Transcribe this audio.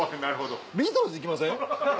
ビートルズ行きません？